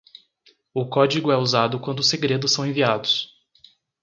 O código é usado quando os segredos são enviados.